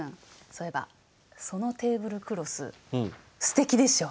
そういえばそのテーブルクロスすてきでしょ？